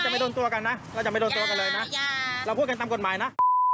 มันก็ยังตามกฎหมายนะ